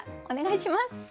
お願いします。